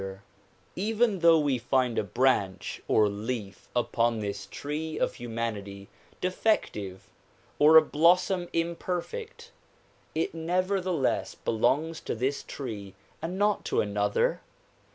226 THE PROMULGATION OF UNIVERSAL PEACE Even though we find a branch or leaf upon this tree of human ity defective or a blossom imperfect it nevertheless belongs to this tree and not to another.